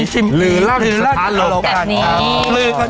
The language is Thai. สถาโลกรณ์